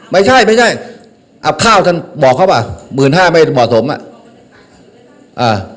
ไม่ใช่ไม่ใช่อับข้าวท่านบอกเขาป่ะหมื่นห้าไม่เหมาะสมอ่ะอ่า